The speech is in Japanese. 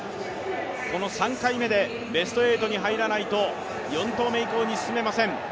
３回目でベスト８に入らないと４投目以降に進めません。